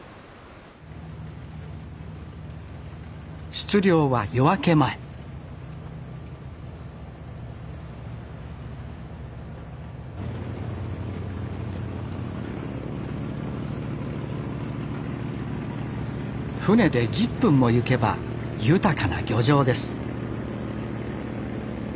出漁は夜明け前船で１０分も行けば豊かな漁場です